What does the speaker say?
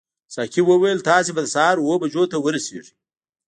ساقي وویل تاسي به د سهار اوو بجو ته ورسیږئ.